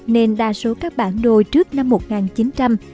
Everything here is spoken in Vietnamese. nên đa số các bản đồ trước năm một nghìn chín trăm linh